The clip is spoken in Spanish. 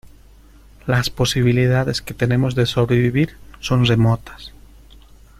las posibilidades que tenemos de sobrevivir son remotas